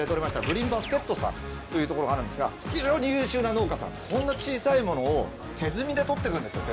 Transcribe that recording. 「グリーンバスケット」さんというところがあるんですが非常に優秀な農家さんでこんな小さいものを手摘みで採ってくるんですよ